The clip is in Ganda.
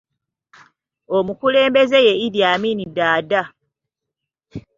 Omukulembeze ye Idi Amini Daada.